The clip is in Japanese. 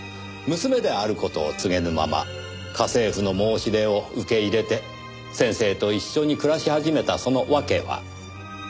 娘である事を告げぬまま家政婦の申し出を受け入れて先生と一緒に暮らし始めたそのわけは？